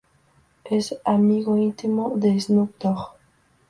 Es amigo íntimo de Snoop Dogg.